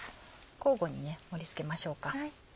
交互に盛り付けましょうか。